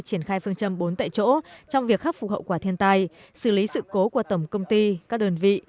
triển khai phương châm bốn tại chỗ trong việc khắc phục hậu quả thiên tai xử lý sự cố của tổng công ty các đơn vị